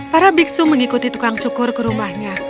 para biksu mengikuti tukang cukur ke rumahnya